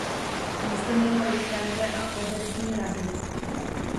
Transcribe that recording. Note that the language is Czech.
Město mělo rychtáře a obecní radu.